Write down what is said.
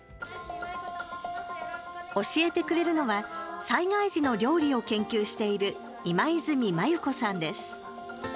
教えてくれるのは災害時の料理を研究している今泉マユ子さんです。